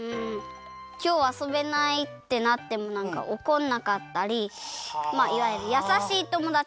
きょうあそべないってなってもおこんなかったりまあいわゆるやさしいともだち。